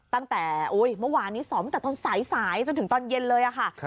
ตั้งแต่เมื่อวานนี้ซ้อมตั้งแต่ตอนสายจนถึงตอนเย็นเลยค่ะ